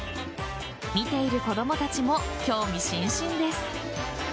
見ている子供たちも興味津々です。